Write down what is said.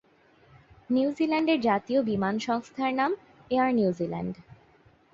নিউজিল্যান্ডের জাতীয় বিমান সংস্থার নাম এয়ার নিউজিল্যান্ড।